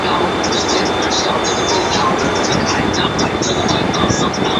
宽叶匐枝蓼为蓼科蓼属下的一个变种。